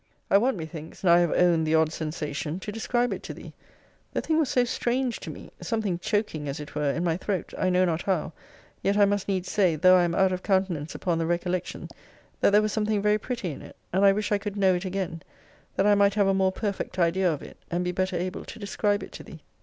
I want, methinks, now I have owned the odd sensation, to describe it to thee the thing was so strange to me something choking, as it were, in my throat I know not how yet, I must needs say, though I am out of countenance upon the recollection, that there was something very pretty in it; and I wish I could know it again, that I might have a more perfect idea of it, and be better able to describe it to thee.